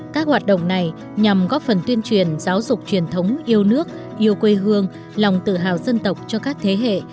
các hoạt động này nhằm góp phần tuyên truyền giáo dục truyền thống yêu nước yêu quê hương lòng tự hào dân tộc cho các thế hệ